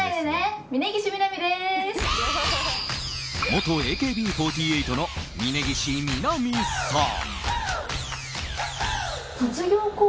元ＡＫＢ４８の峯岸みなみさん。